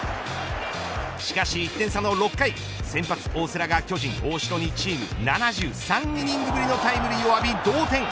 しかし１点差の６回先発、大瀬良が巨人、大城にチーム７３イニングぶりのタイムリーを浴び同点。